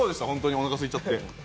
おなかすいちゃって。